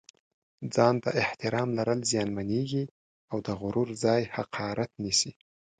ځان ته احترام لرل زیانمېږي او د غرور ځای حقارت نیسي.